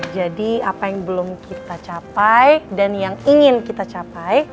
jadi apa yang belum kita capai dan yang ingin kita capai